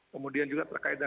kemudian juga terkait dengan